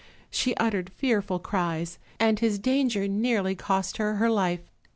She uttered fearful cries, and ms danger nearly cost her her life.